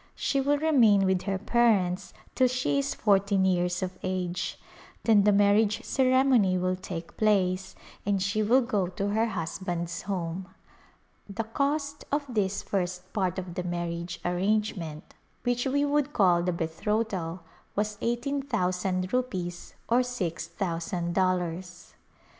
She will remain with her parents till she is fourteen years of age, then the marriage ceremony will take place and she will go to her husband's home. The cost of this first part of the marriage arrangement — which we would call the betrothal — was eighteen thousand ru pees, or six thousand dollars.